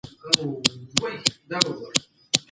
د سیاسي ډیپلوماسۍ په چوکاټ کي د خلګو غږ نه پورته کیږي.